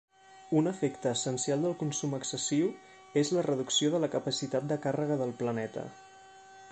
Un efecte essencial del consum excessiu és la reducció de la capacitat de càrrega del planeta.